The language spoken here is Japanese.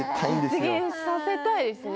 実現させたいですね